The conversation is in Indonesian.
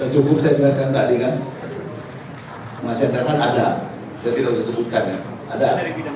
cukup saya jelaskan tadi kan masyarakat kan ada saya tidak usah sebutkan ya ada